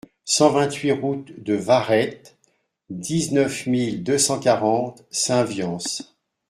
cent vingt-huit route de Varetz, dix-neuf mille deux cent quarante Saint-Viance